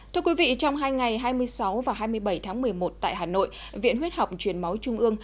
thưa quý vị trong hai ngày hai mươi sáu và hai mươi bảy tháng một mươi một tại hà nội viện huyết học truyền máu trung ương